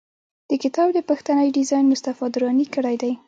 د کتاب د پښتۍ ډیزاین مصطفی دراني کړی دی.